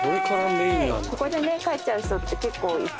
ここで帰っちゃう人って結構いて。